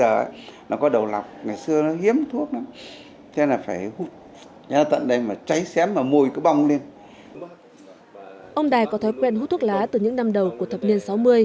ông đài có thói quen hút thuốc lá từ những năm đầu của thập niên sáu mươi